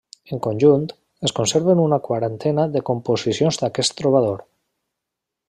En conjunt, es conserven una quarantena de composicions d'aquest trobador.